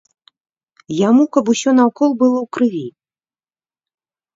Яму каб усё наўкол было ў крыві.